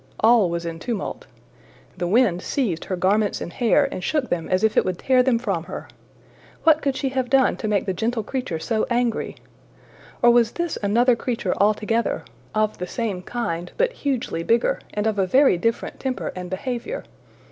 All was in tumult. The wind seized her garments and hair and shook them as if it would tear them from her. What could she have done to make the gentle creature so angry? Or was this another creature altogether of the same kind, but hugely bigger, and of a very different temper and behavior?